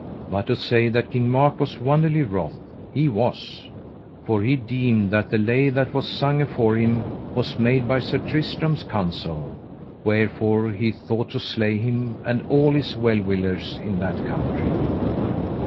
But to say that King Mark was wonderly wroth, he was, for he deemed that the lay that was sung afore him was made by Sir Tristram's counsel, wherefore he thought to slay him and all his well willers in that country.